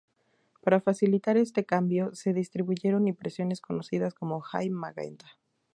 Para facilitar este cambio, se distribuyeron impresiones conocidas como "high magenta".